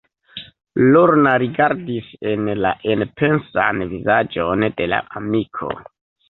Lorna rigardis en la enpensan vizaĝon de la amiko.